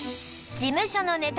事務所のネタ